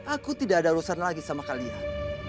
aku tidak ada urusan lagi sama kalian